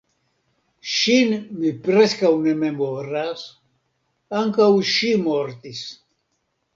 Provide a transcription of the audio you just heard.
Ŝin mi preskaŭ ne memoras; ankaŭ ŝi mortis.